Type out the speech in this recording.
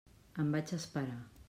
Em vaig esperar.